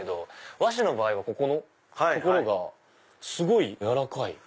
和紙の場合はここの所がすごい柔らかい。